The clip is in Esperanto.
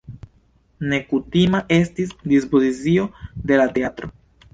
Nekutima estis dispozicio de la teatro.